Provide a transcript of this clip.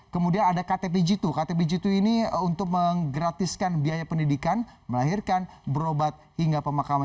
kemudian ada ktpj dua ktpj dua ini untuk menggratiskan biaya pendidikan melahirkan berobat hingga pemakaman